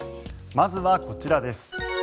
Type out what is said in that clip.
まずはこちらです。